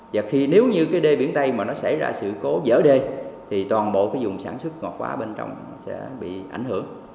và khi nếu như cái đê biển tây mà nó xảy ra sự cố dở đê thì toàn bộ cái dùng sản xuất ngọt hóa bên trong sẽ bị ảnh hưởng